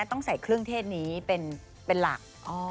ต้องใส่เครื่องเทศนี้เป็นหลัก